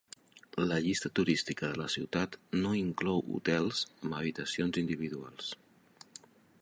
La llista turística de la ciutat no inclou hotels amb habitacions individuals.